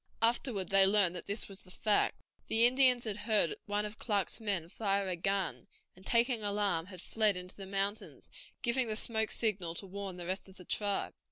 Afterward they learned that this was the fact. The Indians had heard one of Clark's men fire a gun, and, taking alarm, had fled into the mountains, giving the smoke signal to warn the rest of the tribe.